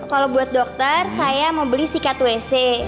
kalau buat dokter saya mau beli sikat wc